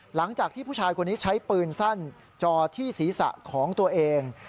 หลังจากที่ผู้ชายคนนี้ใช้ปืนสั้นจอที่ศีรษะของตัวเอง